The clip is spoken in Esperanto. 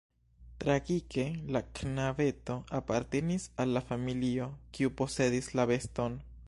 Tragike la knabeto apartenis al la familio, kiu posedis la beston.